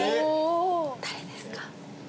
誰ですか？